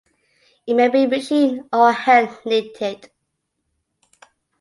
It may be machine- or hand-knitted.